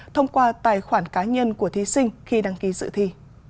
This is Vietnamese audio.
thông qua tài khoản cá nhân của thí sinh khi đăng ký dự thi